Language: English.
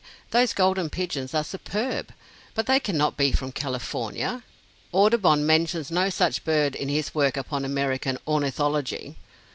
these golden pigeons are superb, but they cannot be from California. Audubon mentions no such bird in his work upon American Ornithology."